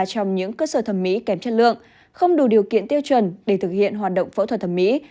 trong những cơ sở thẩm mỹ kém chất lượng không đủ điều kiện tiêu chuẩn để thực hiện hoạt động phẫu thuật thẩm mỹ